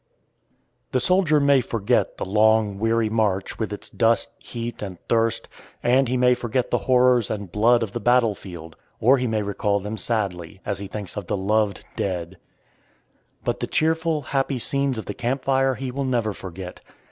The soldier may forget the long, weary march, with its dust, heat, and thirst, and he may forget the horrors and blood of the battle field, or he may recall them sadly, as he thinks of the loved dead; but the cheerful, happy scenes of the camp fire he will never forget.